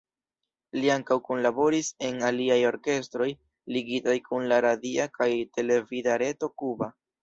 Li ankaŭ kunlaboris en aliaj orkestroj ligitaj kun la radia kaj televida reto kuba.